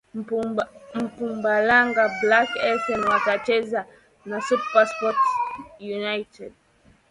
mpumalanga black esen watacheza na supersport united